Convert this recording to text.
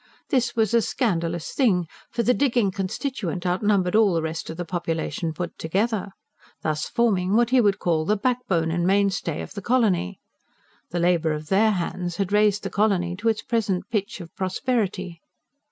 This was a scandalous thing; for the digging constituent outnumbered all the rest of the population put together, thus forming what he would call the backbone and mainstay of the colony. The labour of THEIR hands had raised the colony to its present pitch of prosperity.